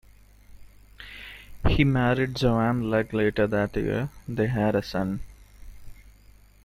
He married Joanne Legg later that year; they had a son.